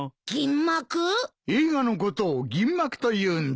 映画のことを銀幕と言うんだ。